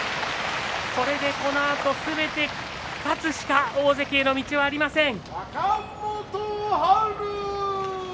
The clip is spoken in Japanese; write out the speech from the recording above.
これで、このあとすべて勝つしか大関への道はありません。